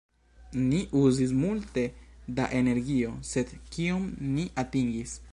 Ni uzis multe da energio, sed kion ni atingis?